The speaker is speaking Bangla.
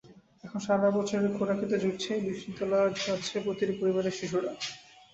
এখন সারা বছরের খোরাকি তো জুটছেই, বিদ্যালয়েও যাচ্ছে প্রতিটি পরিবারের শিশুরা।